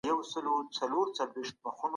شاعرۍ په خاطر